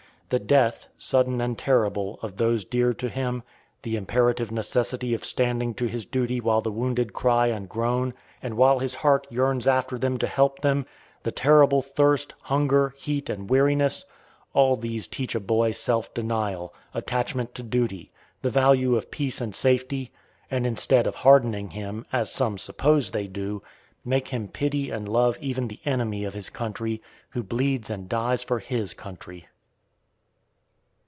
The death, sudden and terrible, of those dear to him, the imperative necessity of standing to his duty while the wounded cry and groan, and while his heart yearns after them to help them, the terrible thirst, hunger, heat, and weariness, all these teach a boy self denial, attachment to duty, the value of peace and safety; and, instead of hardening him, as some suppose they do, make him pity and love even the enemy of his country, who bleeds and dies for his country.